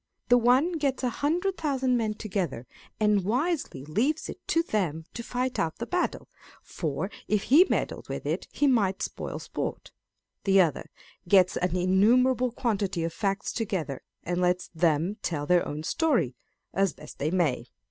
The one gets a hundred thousand men together, and wisely leaves it to them to fight out the battle, for if he meddled with it, he might spoil sport : the other gets an innumerable quantity of facts together, and lets them tell their own story, as best they may.